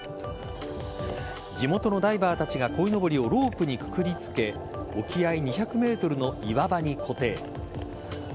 地元のダイバーたちがこいのぼりをロープにくくり付け沖合２００ｍの岩場に固定。